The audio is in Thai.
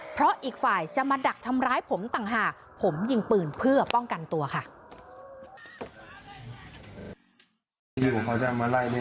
เพราะอีกฝ่ายจะมาดักทำร้ายผมต่างหากผมยิงปืนเพื่อป้องกันตัวค่ะ